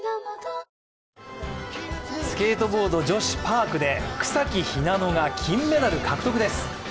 スケートボード女子パークで草木ひなのが金メダル獲得です。